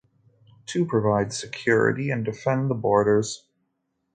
To provide security and to defend the borders.